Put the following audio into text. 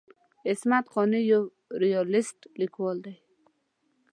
عصمت قانع یو ریالیست لیکوال دی.